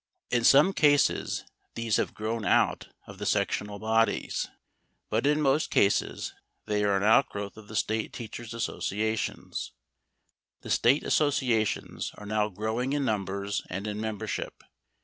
In some cases these have grown out of the sectional bodies, but in most cases they are an outgrowth of the State teachers' associations. The State associations are now growing in numbers and in membership.